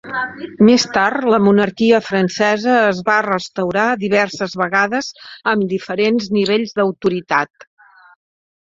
Més tard, la monarquia francesa es va restaurar diverses vegades amb diferents nivells d'autoritat.